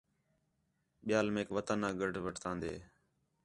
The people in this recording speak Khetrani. ٻِیال میک وطن آ گڈھ وٹھتاندے